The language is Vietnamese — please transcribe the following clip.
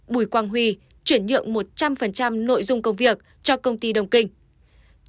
bùi quang huy chuyển nhượng một trăm linh nội dung công việc cho công ty đồng kinh